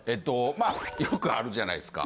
まあよくあるじゃないすか。